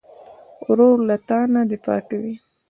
ورور له تا نه دفاع کوي.